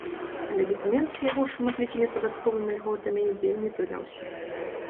Але дакумент з яго шматлікімі падатковымі льготамі вельмі прыдаўся.